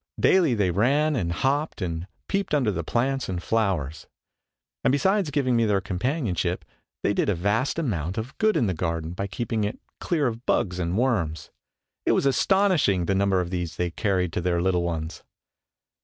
Daily they ran and hopped and peeped under the plants and flowers. And besides giving me their companionship they did a vast amount of good in the garden by keeping it clear of bugs and worms. It was astonishing the number of these they carried to their little ones.